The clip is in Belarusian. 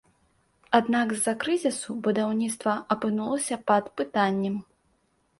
Аднак з-за крызісу будаўніцтва апынулася пад пытаннем.